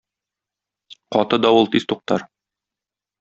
Каты давыл тиз туктар.